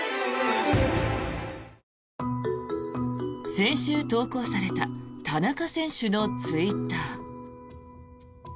先週投稿された田中選手のツイッター。